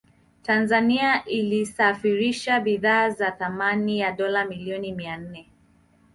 Tanzania ilisafirisha bidhaa za thamani ya dola milioni mia nne